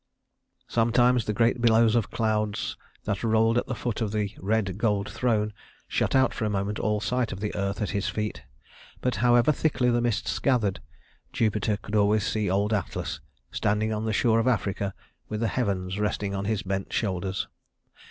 Sometimes the great billows of clouds that rolled at the foot of the red gold throne shut out for a moment all sight of the earth at his feet; but however thickly the mists gathered, Jupiter could always see old Atlas standing on the shore of Africa with the heavens resting on his bent shoulders.